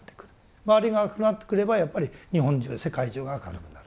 周りが明るくなってくればやっぱり日本中世界中が明るくなる。